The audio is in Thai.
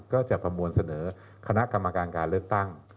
ประมวลเสนอคณะกรรมการการเลือกตั้ง